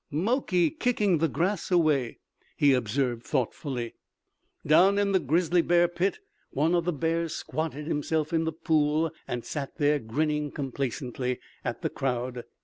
"Mokey kicking the grass away," he observed thoughtfully. Down in the grizzly bear pit one of the bears squatted himself in the pool and sat there, grinning complacently at the crowd.